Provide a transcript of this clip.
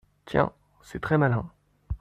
Tiens ! c’est très malin.